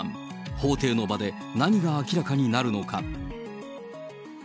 法廷の場で何が明らかになるのか。